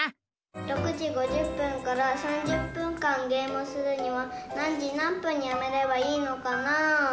６時５０分から３０分間ゲームするには何時何分にやめればいいのかなぁ？